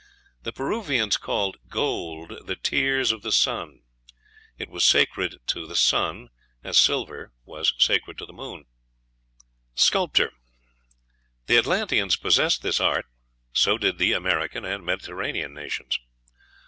The Peruvians called gold the tears of the sun: it was sacred to the sun, as silver was to the moon. Sculpture. The Atlanteans possessed this art; so did the American and Mediterranean nations.